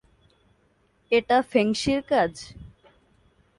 এটা ফেংশির কাজ?